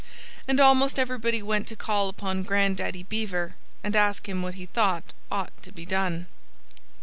And almost everybody went to call upon Grandaddy Beaver and asked him what he thought ought to be done.